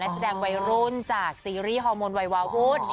แสดงวัยรุ่นจากซีรีส์ฮอร์โมนวัยวาวูด